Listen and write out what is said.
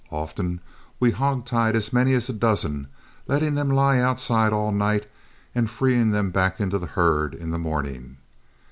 Often we hog tied as many as a dozen, letting them lie outside all night and freeing them back into the herd in the morning.